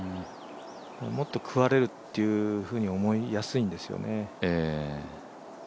もっと食われるっていうふうに思いやすいんですよね。